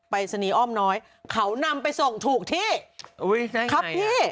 ปราศนีอ้อมน้อยเขานำไปส่งถูกที่อุ้ยได้ยังไงครับพี่